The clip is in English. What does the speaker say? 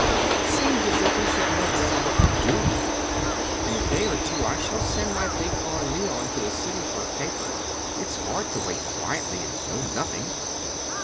"It seems as if we should know better what to do. In a day or two I shall send my big boy Leon to the city for a paper. It is hard to wait quietly and know nothing."